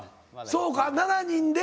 そうか７人で。